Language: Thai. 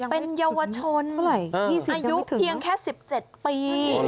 เป็นเยาวชนอายุเพียงแค่๑๗ปี